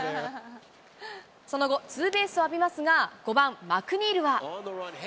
その後、ツーベースを浴びますが、５番マクニールは。